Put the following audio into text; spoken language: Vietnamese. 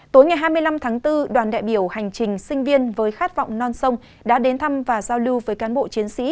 tối ngày hai mươi năm tháng bốn đoàn đại biểu hành trình sinh viên với khát vọng non sông đã đến thăm và giao lưu với cán bộ chiến sĩ